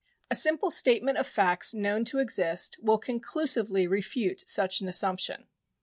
A simple statement of facts known to exist will conclusively refute such an assumption.